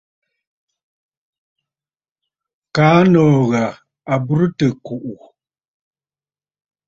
Kaa nòò ghà à burə tɨ̀ kùꞌù.